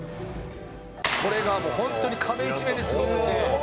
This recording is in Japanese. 「これがもう本当に壁一面ですごくて」